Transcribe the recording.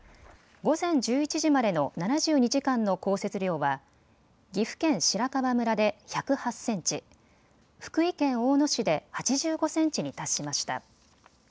午前１１時までの７２時間の降雪量は岐阜県白川村で１０８センチ、福井県大野市で８５センチに達しました。